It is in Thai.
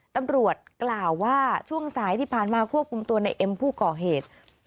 ตำรวจกล่าวว่าช่วงสายที่ผ่านมาควบคุมตัวในเอ็มผู้ก่อเหตุ